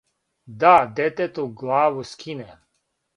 Да детету главу скине,